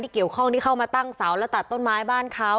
ให้เข้ามาตั้งเสาตัดต้นไม้บ้านเขา